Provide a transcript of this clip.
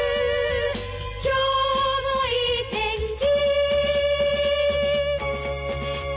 「今日もいい天気」